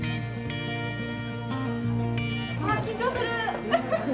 緊張する。